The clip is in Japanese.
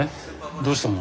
どうしたの？